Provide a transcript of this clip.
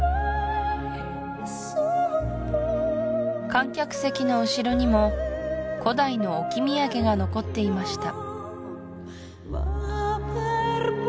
観客席の後ろにも古代の置き土産が残っていました